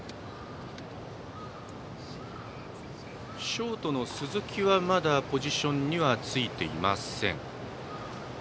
ショートの鈴木はまだポジションにはついていません。